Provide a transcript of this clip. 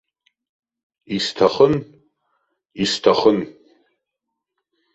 Исҭахын, исҭахын!